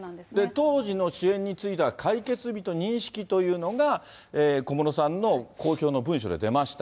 当時の支援については解決済みと認識というのが小室さんの公表の文書で出ました。